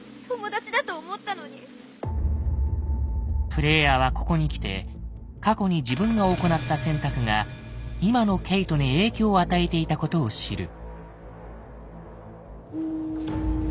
プレイヤーはここにきて過去に自分が行った選択が今のケイトに影響を与えていたことを知る。